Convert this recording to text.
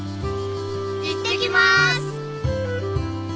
行ってきます！